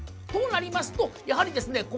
となりますとやはりですね